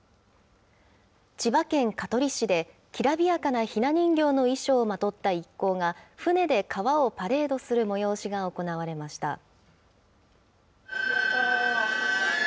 千葉県香取市で、きらびやかなひな人形の衣装をまとった一行が舟で川をパレードする催しが行われました。